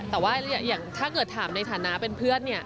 แต่ว่าอย่างถ้าเกิดถามในฐานะเป็นเพื่อนเนี่ย